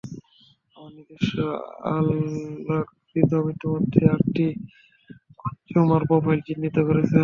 আমার নিজস্ব অ্যালগরিদম ইতোমধ্যেই আটটি কনজিউমার প্রোফাইল চিহ্নিত করেছে।